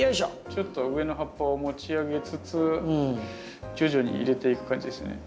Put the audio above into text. ちょっと上の葉っぱを持ち上げつつ徐々に入れていく感じですね。